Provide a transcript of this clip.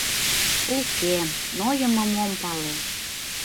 — Уке, нойымым ом пале.